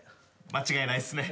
間違いないっすね。